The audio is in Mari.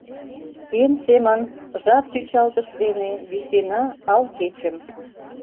Эм семын, жап-чӱчалтыш дене, висена ал кечым.